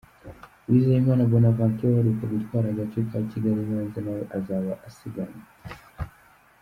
Uwizeyimana Bonaventure uheruka gutwara agace ka Kigali-Nyanza nawe azaba asiganwa .